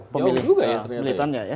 wah jauh juga ya ternyata